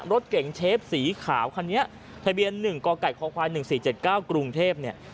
รถเก่งเชฟสีขาวคันนี้ทะเบียนหนึ่งกไก่คควายหนึ่งสี่เจ็ดเก้ากรุงเทพเนี่ย